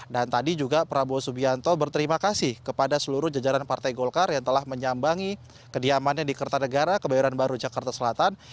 dan tadi juga prabowo subianto berterima kasih kepada seluruh jajaran partai golkar yang telah menyambangi kediamannya di kertanegara kebayoran baru jakarta selatan